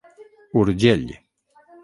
Urgell.